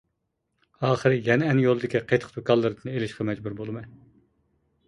ئاخىرى يەنئەن يولىدىكى قېتىق دۇكانلىرىدىن ئېلىشقا مەجبۇر بولىمەن.